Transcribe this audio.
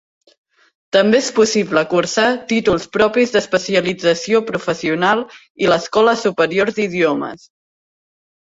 També és possible cursar Títols Propis d'Especialització Professional i l'Escola Superior d'Idiomes.